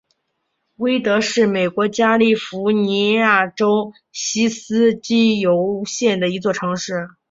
威德是美国加利福尼亚州锡斯基尤县的一座城市。